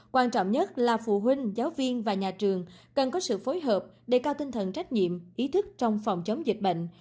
quan trọng nhất là phụ huynh giáo viên và nhà trường cần có sự phối hợp để cao tinh thần trách nhiệm ý thức trong phòng chống dịch bệnh